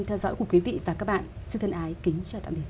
theo dõi của quý vị và các bạn xin thân ái kính chào tạm biệt